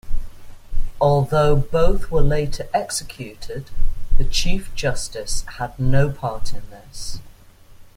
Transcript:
Although both were later executed, the chief justice had no part in this.